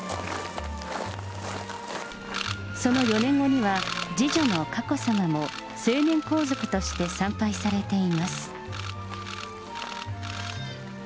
その４年後には、次女の佳子さまも、成年皇族として参拝されています。